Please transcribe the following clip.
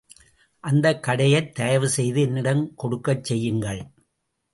அந்தக் கடையைத் தயவுசெய்து என்னிடம் கொடுக்கச் செய்யுங்கள்.